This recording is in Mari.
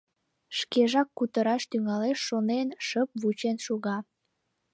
Шкежак кутыраш тӱҥалеш шонен, шып вучен шога.